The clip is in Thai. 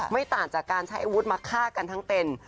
ไม่ต่างจากการใช้อาวุธมาฆ่ากันทั้งเป็น